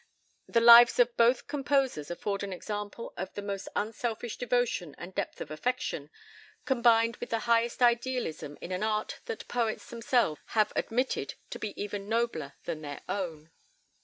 The lives of both composers afford an example of the most unselfish devotion and depth of affection, combined with the highest idealism in an art that poets themselves have admitted to be even nobler than their own.